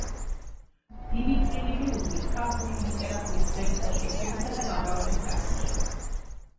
დიდი წვლილი მიუძღვის ქართული ლიტერატურის ძეგლთა შეკრებისა და გამრავლების საქმეში.